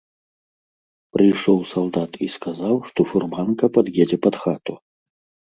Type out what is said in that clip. Прыйшоў салдат і сказаў, што фурманка пад'едзе пад хату.